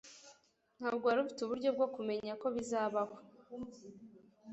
Ntabwo wari ufite uburyo bwo kumenya ko bizabaho